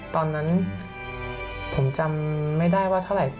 ตอนนั้นผมจำไม่ได้ว่าเท่าไหร่